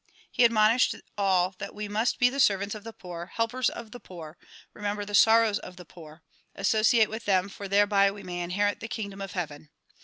He admonished all that we must be the servants of the poor, helpers of the poor, remember the sorrows of the poor, associate with them for thereby we may inherit the kingdom of heaven.